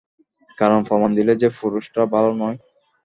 কারন প্রমাণ দিলে যে, পুরুষরা ভাল নয়।